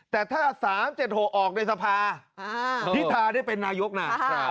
แต่ถ้า๓๗๖ออกในสภาพิธาได้เป็นนายกนะ